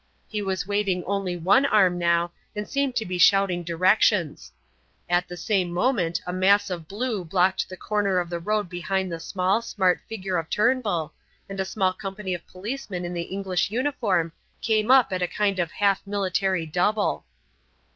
He was waving only one arm now and seemed to be shouting directions. At the same moment a mass of blue blocked the corner of the road behind the small, smart figure of Turnbull, and a small company of policemen in the English uniform came up at a kind of half military double.